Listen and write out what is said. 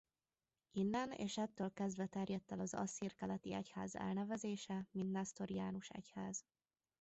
Innen és ettől kezdve terjedt el az Asszír Keleti Egyház elnevezése mint Nesztoriánus Egyház.